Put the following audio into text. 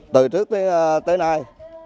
từ trước tới nay